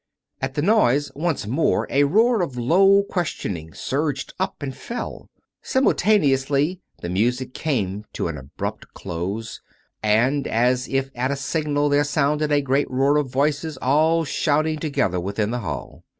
At the noise once more a roar of low questioning surged up and fell. Simultaneously the music came to an abrupt close; and, as if at a signal, there sounded a great roar of voices, all shouting together within the hall.